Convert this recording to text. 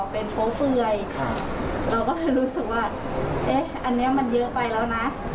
เป็นเยอะไปแล้วนะ